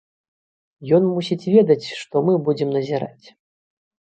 Ён мусіць ведаць, што мы будзем назіраць.